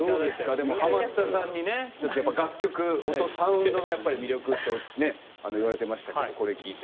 でもハマったさんにねちょっとやっぱ楽曲音サウンドがやっぱり魅力ってね言われてましたけどこれ聞いて。